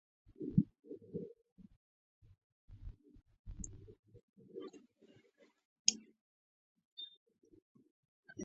图书馆藏书十一万余册。